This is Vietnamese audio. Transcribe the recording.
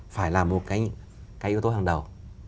phải là một cái yếu tố hàng đầu